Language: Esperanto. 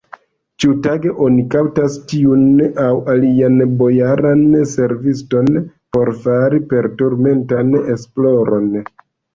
Ĉiutage oni kaptas tiun aŭ alian bojaran serviston por fari perturmentan esploron.